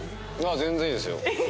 全然いいですよ。